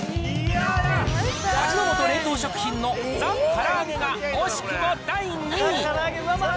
味の素冷凍食品のザ・から揚げが惜しくも第２位。